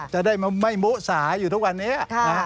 จะได้ไม่มุสาอยู่ทุกวันนี้